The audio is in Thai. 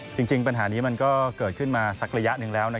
จริงปัญหานี้มันก็เกิดขึ้นมาสักระยะหนึ่งแล้ว